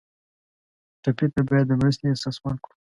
ټپي ته باید د مرستې احساس ورکړو.